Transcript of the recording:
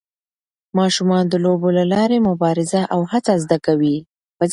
ماشومان د لوبو له لارې مبارزه او هڅه زده کوي.